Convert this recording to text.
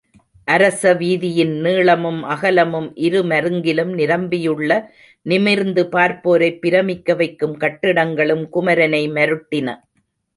அரசவீதியின் நீளமும் அகலமும் இரு மருங்கிலும் நிரம்பியுள்ள நிமிர்ந்து பார்ப்போரைப் பிரமிக்க வைக்கும் கட்டிடங்களும் குமரனை மருட்டின.